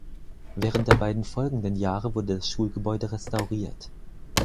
Während der beiden folgenden Jahre wurde das Schulgebäude restauriert.